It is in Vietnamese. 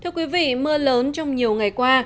thưa quý vị mưa lớn trong nhiều ngày qua